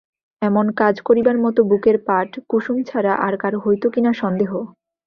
এমন কাজ করিবার মতো বুকের পাট কুসুম ছাড়া আর কারো হইত কি না সন্দেহ।